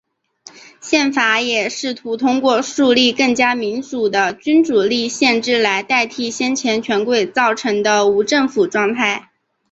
宪法也试图通过树立更加民主的君主立宪制来替代先前权贵造成的无政府状态。